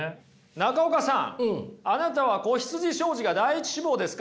中岡さんあなたは子羊商事が第１志望ですか？